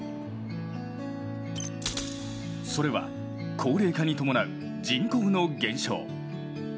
それは、高齢化に伴う人口の減少。